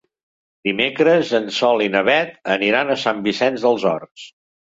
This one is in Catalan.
Dimecres en Sol i na Beth aniran a Sant Vicenç dels Horts.